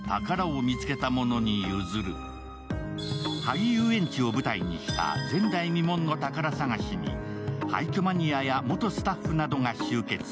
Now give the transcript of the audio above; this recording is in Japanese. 廃遊園地を舞台にした前代未聞の宝探しに廃虚マニアや元スタッフなどが集結。